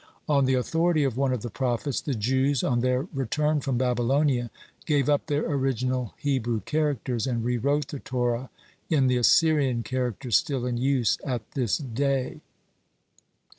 On the authority of one of the prophets, the Jews, on their return from Babylonia, gave up their original Hebrew characters, and re wrote the Torah in the "Assyrian" characters still in use at this day.